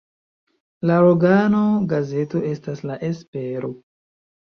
La organo-gazeto estas "La Espero".